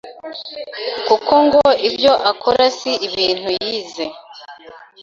kuko ngo ibyo akora si ibintu yize.